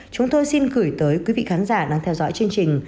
chúng tôi xin gửi tới quý vị khán giả đang theo dõi chương trình